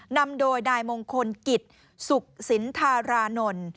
นำโดยนายมงคลกิจสุขสินธารานนท์